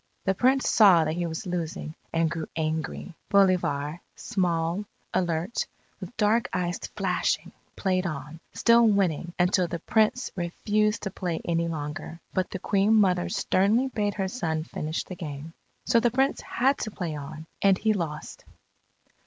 The Prince saw that he was losing, and grew angry. Bolivar, small, alert, with dark eyes flashing, played on, still winning until the Prince refused to play any longer. But the Queen mother sternly bade her son finish the game. So the Prince had to play on, and he lost.